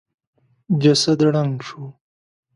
جسد ړنګ شو.